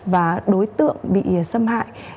và đối tượng bị xâm hại